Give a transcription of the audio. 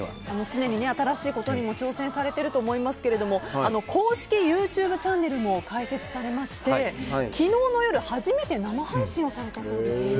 常に新しいことにも挑戦されていると思いますが公式ＹｏｕＴｕｂｅチャンネルも開設されまして昨日の夜、初めて生配信されたそうですね。